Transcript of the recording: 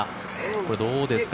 これ、どうですか？